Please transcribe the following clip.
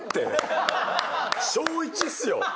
小１っすよ。